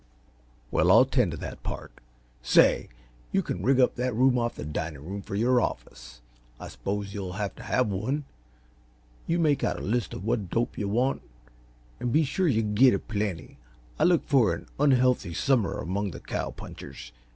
"Well, I'll tend t' that part. Say! You can rig up that room off the dining room for your office I s'pose you'll have to have one. You make out a list of what dope you want and be sure yuh get a plenty. I look for an unhealthy summer among the cow punchers.